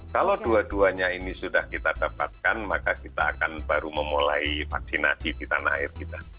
kalau dua duanya ini sudah kita dapatkan maka kita akan baru memulai vaksinasi di tanah air kita